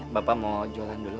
bapak mau jualan dulu